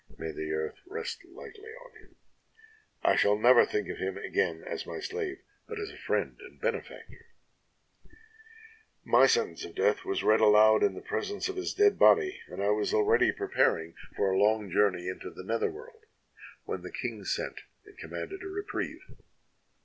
May the earth rest lightly on him! I shall never think of him again as my slave, but as a friend and benefactor! My sentence of death was read aloud in the presence of his dead body, and I was already preparing for a long 201 EGYPT journey into the nether world when the king sent and commanded a reprieve.